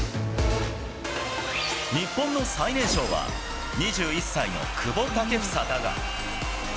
日本の最年少は、２１歳の久保建英だが。